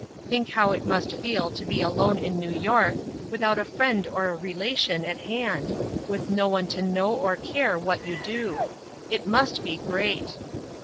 Think how it must feel to be alone in New York, without a friend or a relation at hand, with no one to know or care what you do. It must be great!